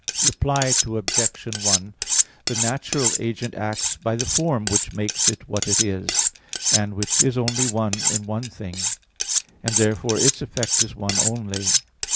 Reply Obj. 1: The natural agent acts by the form which makes it what it is, and which is only one in one thing; and therefore its effect is one only.